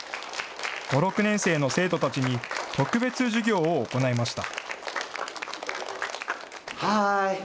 ５、６年生の生徒たちに特別授業を行いました。